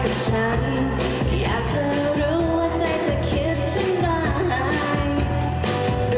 อยากจะบอกให้เธอรู้ว่าใจฉันนั้นมันกระวังแค่ไหน